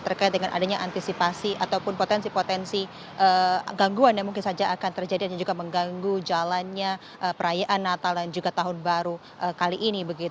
terkait dengan adanya antisipasi ataupun potensi potensi gangguan yang mungkin saja akan terjadi dan juga mengganggu jalannya perayaan natal dan juga tahun baru kali ini